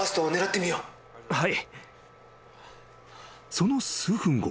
［その数分後。